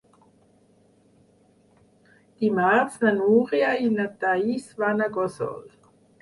Dimarts na Núria i na Thaís van a Gósol.